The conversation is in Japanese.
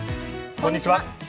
こんにちは。